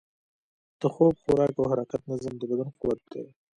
د خوب، خوراک او حرکت نظم، د بدن قوت دی.